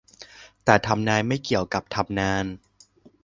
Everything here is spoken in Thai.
แต่ทำนายไม่เกี่ยวกับทำนาน